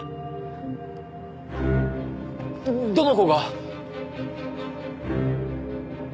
どの子が？